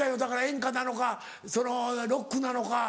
演歌なのかロックなのか。